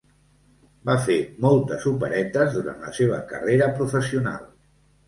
Va fer moltes operetes durant la seva carrera professional.